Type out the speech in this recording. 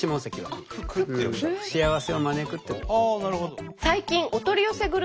ああなるほど。